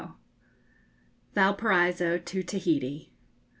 VALPARAISO TO TAHITI.